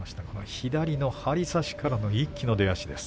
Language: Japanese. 左の張り差しからの一気の出足です。